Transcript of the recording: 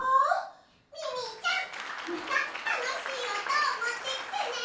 ミミィちゃんまたたのしいおとをもってきてね。